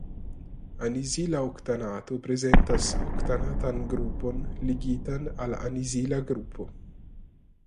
Anizila oktanato prezentas oktanatan grupon ligitan al anizila grupo.